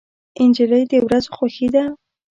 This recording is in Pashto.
نجلۍ د ورځو خوښي ده.